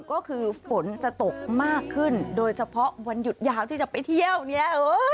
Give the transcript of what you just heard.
ก็คือฝนจะตกมากขึ้นโดยเฉพาะวันหยุดยาวที่จะไปเที่ยวเนี่ย